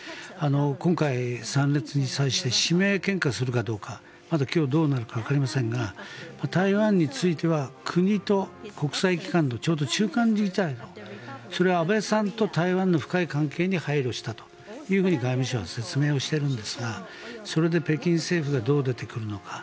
今回、参列に際して指名献花するかどうかまだ今日はどうなるかわかりませんが台湾については国と国際機関のちょうど中間それは安倍さんと台湾の深い関係に配慮したと外務省は説明をしているんですがそれで北京政府がどう出てくるのか。